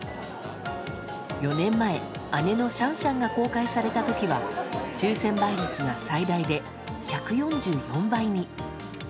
４年前、姉のシャンシャンが公開された時は抽選倍率が最大で１４４倍に。